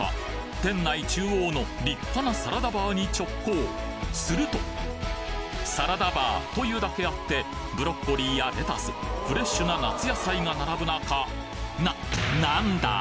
店内中央の立派なするとサラダバーというだけあってブロッコリーやレタスフレッシュな夏野菜が並ぶ中な何だ！？